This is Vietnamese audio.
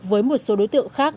với một số đối tượng khác